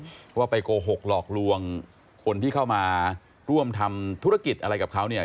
เพราะว่าไปโกหกหลอกลวงคนที่เข้ามาร่วมทำธุรกิจอะไรกับเขาเนี่ย